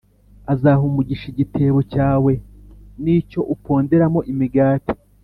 Azaha umugisha igitebo cyawe n’icyo uponderamo imigati.